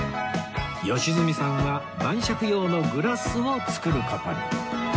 良純さんは晩酌用のグラスを作る事に